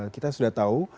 kita sudah tahu